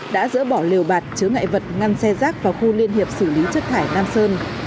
đã dỡ bỏ liều bạt chứa ngại vật ngăn xe rác vào khu liên hiệp xử lý chất thải nam sơn